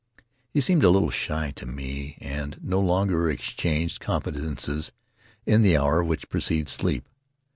He seemed a little shy of me, and no longer exchanged confidences in the hour which precedes sleep.